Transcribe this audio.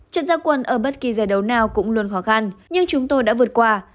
trận gia quân ở bất kỳ giải đấu nào cũng luôn khó khăn nhưng chúng tôi đã vượt qua